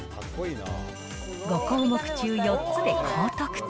５項目中４つで高得点。